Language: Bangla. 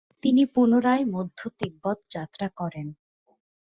তিনি পুনরায় মধ্য তিব্বত যাত্রা করেন।